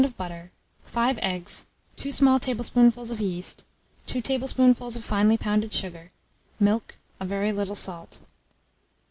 of butter, 5 eggs, 2 small tablespoonfuls of yeast, 2 tablespoonfuls of finely pounded sugar, milk, a very little salt.